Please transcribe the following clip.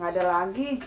gak ada lagi